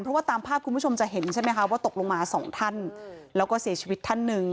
เพราะว่าตามภาพคุณผู้ชมจะเห็นใช่ไหมคะว่าตกลงมาสองท่านแล้วก็เสียชีวิตท่านหนึ่ง